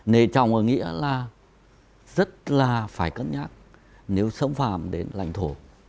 nề trọng ở nghĩa là rất là phải cân nhắc nếu xâm phạm đến lãnh thổ